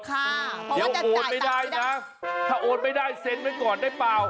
เดี๋ยวโอนไม่ได้นะถ้าโอนไม่ได้เซ็นไว้ก่อนได้เปล่า